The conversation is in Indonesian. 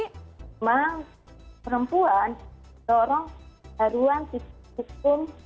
karena itu perempuan dorong haruan sisi hukum